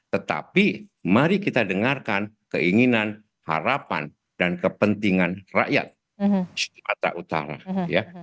tetapi mari kita dengarkan keinginan harapan dan kepentingan rakyat sumatera utara ya